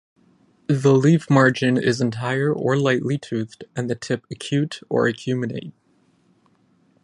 The leaf margin is entire or lightly toothed and the tip acute or acuminate.